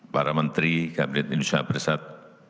para menteri kabinet indonesia bersatu